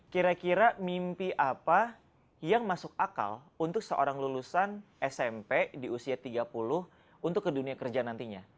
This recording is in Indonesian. kira kira mimpi apa yang masuk akal untuk seorang lulusan smp di usia tiga puluh untuk ke dunia kerja nantinya